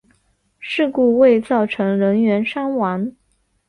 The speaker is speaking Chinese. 事故未造成人员伤亡。